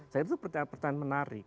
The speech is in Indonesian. saya kira itu pertanyaan pertanyaan menarik